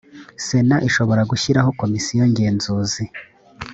sena ishobora gushyiraho komisiyo ngenzuzi.